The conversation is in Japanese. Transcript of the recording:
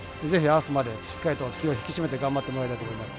あすまで気を引き締めて頑張ってもらいたいと思います。